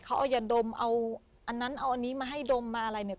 เขาเอายาดมเอาอันนั้นเอาอันนี้มาให้ดมมาอะไรเนี่ย